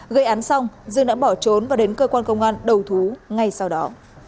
gây án xong dương đã bỏ trốn và đến cơ quan công an đầu thú ngay sau đó